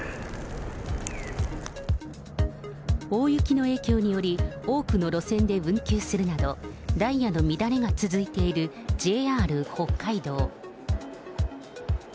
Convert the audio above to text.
大雪の影響により、多くの路線で運休するなど、ダイヤの乱れが続いているＪＲ北海道。